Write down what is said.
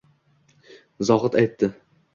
Zohid aytdi: